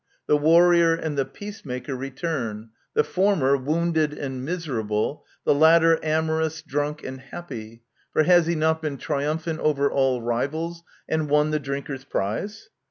The warrior and the peacemaker return* — the former wounded and miser able, the latter amorous,, drunk, and happy; for has he not been triumphant over all rivals and won the drinker's prize